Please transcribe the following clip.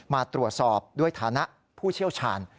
มาตรวจสอบด้วยฐานะผู้เชี่ยวชาญ